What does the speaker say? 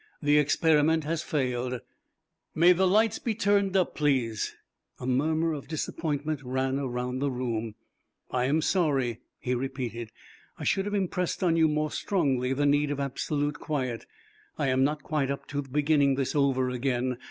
The experiment has failed. May the lights be turned up, please." A murmur of disappointment ran around the room. "I am sorry," he repeated. "I should have impressed on you more strongly the need of absolute quiet. I am not quite up to beginning this over again.